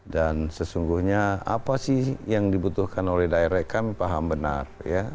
dan sesungguhnya apa sih yang dibutuhkan oleh daerah rekan paham benar